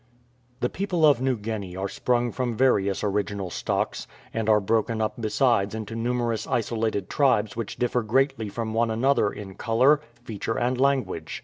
The people of New Guinea are sprung from various original stocks, and are broken up besides into numerous isolated tribes which differ greatly from one another in colour, feature, and language.